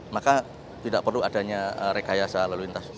maka tidak perlu adanya rekayasa lalu lintas